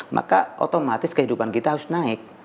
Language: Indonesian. maka otomatis kehidupan kita harus naik